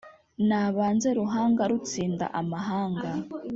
nabanze ruhanga rutsinda amahanga,